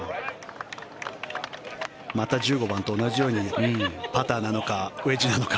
また１５番と同じようにパターなのかウェッジなのか。